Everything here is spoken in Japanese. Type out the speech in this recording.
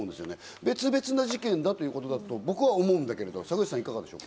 別々な事件だということだと僕は思うんだけど、坂口さん。